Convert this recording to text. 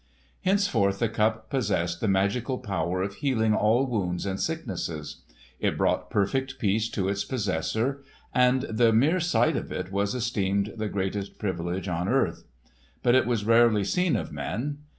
Henceforth the Cup possessed the magical power of healing all wounds and sicknesses. It brought perfect peace to its possessor; and the mere sight of it was esteemed the greatest privilege on earth. But it was rarely seen of men.